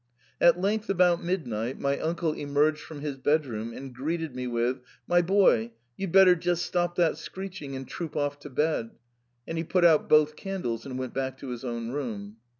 At length about midnight my uncle emerged from his bedroom and greeted me with, * My boy, you'd better just stop that screeching and troop off to bed ;' and he put out both candles and went back to his own room.